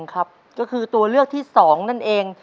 ก็คือตัวเลือกที่๒นั่นเอง